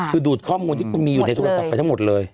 คือดูกข้อมูลที่เค้ามีอยู่ในโทรศัพท์ก็จะหมดเลย